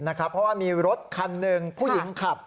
เพราะว่ามีรถคันหนึ่งผู้หญิงขับ